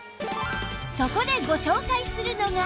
そこでご紹介するのが